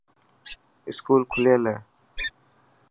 اسڪول کليل هي.